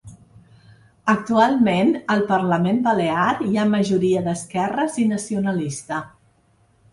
Actualment, al parlament balear hi ha majoria d’esquerres i nacionalista.